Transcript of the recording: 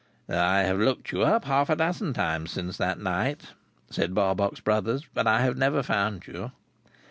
"I have looked you up, half a dozen times since that night," said Barbox Brothers, "but have never found you."